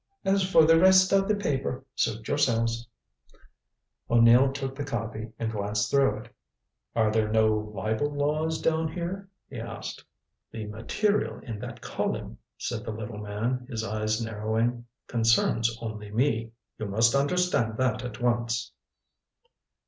As for the rest of the paper, suit yourselves." O'Neill took the copy, and glanced through it. "Are there no libel laws down here?" he asked. "The material in that column," said the little man, his eyes narrowing, "concerns only me. You must understand that at once."